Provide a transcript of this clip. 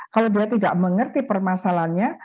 kalau dia tidak mengerti permasalahannya